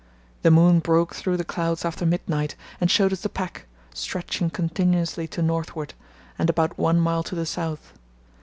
The moon broke through the clouds after midnight and showed us the pack, stretching continuously to northward, and about one mile to the south.